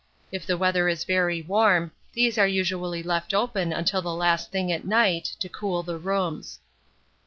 If the weather is very warm, these are usually left open until the last thing at night, to cool the rooms.